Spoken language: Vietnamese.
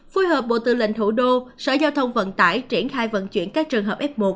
phối hợp bộ tư lệnh thủ đô sở giao thông vận tải triển khai vận chuyển các trường hợp f một